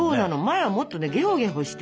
前はもっとゲホゲホして。